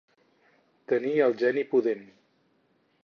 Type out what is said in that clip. Tenir el geni pudent.